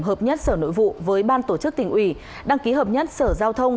hợp nhất sở nội vụ với ban tổ chức tỉnh ủy đăng ký hợp nhất sở giao thông